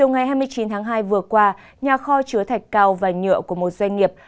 ngày hai mươi chín tháng hai vừa qua nhà kho chứa thạch cao và nhựa của một doanh nghiệp